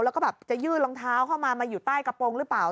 แล้วก็แบบจะยื่นรองเท้าเข้ามามาอยู่ใต้กระโปรงหรือเปล่า